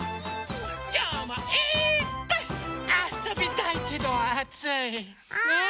きょうもいっぱいあそびたいけどあつい。